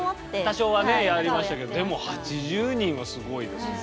多少はねやりましたけどでも８０人はすごいですよね。